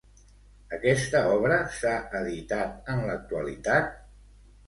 Aquesta obra s'ha editat en l'actualitat?